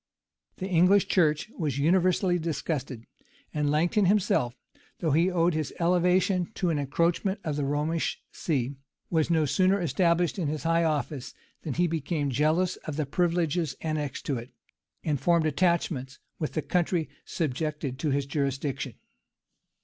The English church was universally disgusted; and Langton himself, though he owed his elevation to an encroachment of the Romish see, was no sooner established in his high office, than he became jealous of the privileges annexed to it, and formed attachments with the country subjected to his jurisdiction.